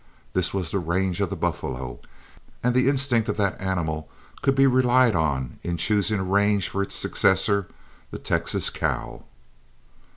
This was the range of the buffalo, and the instinct of that animal could be relied on in choosing a range for its successor, the Texas cow.